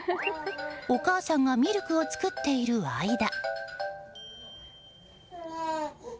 お母さんがミルクを作っている間。